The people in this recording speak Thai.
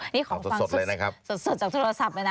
นี่ของฟังสดสดจากโทรศัพท์เลยนะ